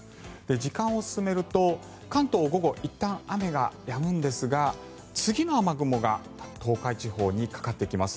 時間を進めると関東は午後いったん雨がやむんですが次の雨雲が東海地方にかかってきます。